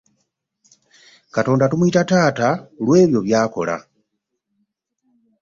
Katonda tumuyita taata lw'ebyo by'akola.